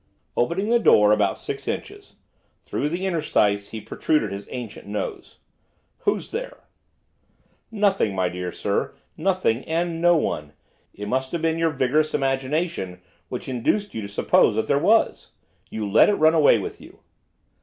Opening the door about six inches, through the interstice he protruded his ancient nose. 'Who's there?' 'Nothing, my dear sir, nothing and no one. It must have been your vigorous imagination which induced you to suppose that there was, you let it run away with you.